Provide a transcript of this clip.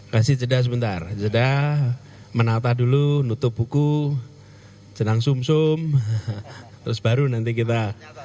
kasih jeda sebentar jeda menata dulu nutup buku jenang sum sum terus baru nanti kita